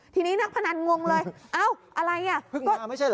ทีนี้นักพนันงงเลยเอ้าอะไรเนี่ยเพิ่งมาไม่ใช่เหรอ